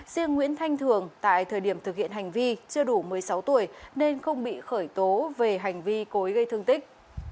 riêng nguyễn thanh thường tại thời điểm thực hiện hành vi chưa đủ một mươi sáu tuổi nên không bị khởi tố về hành vi cối gây thương tích